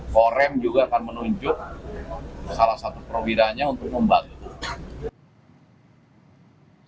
korem juga akan menunjuk salah satu provideranya untuk membantu